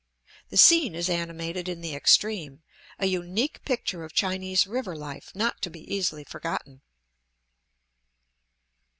The scene is animated in the extreme, a unique picture of Chinese river life not to be easily forgotten.